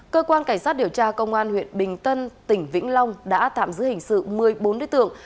cơ quan cảnh sát điều tra công an huyện bình tân tỉnh vĩnh long đã tạm giữ hình sự một mươi bốn đối tượng